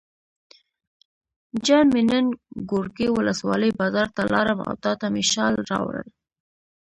جان مې نن ګورکي ولسوالۍ بازار ته لاړم او تاته مې شال راوړل.